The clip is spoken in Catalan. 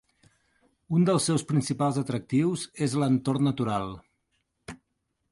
Un dels seus principals atractius és l'entorn natural.